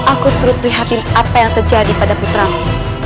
aku terperhatikan apa yang terjadi pada putramu